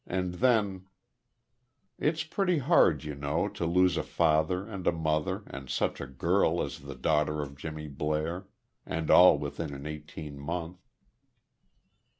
And then It's pretty hard, you know, to lose a father, and a mother, and such a girl as the daughter of Jimmy Blair; and all within an eighteen month.